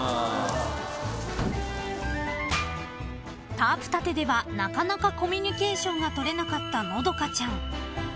［タープ建てではなかなかコミュニケーションが取れなかったのどかちゃん］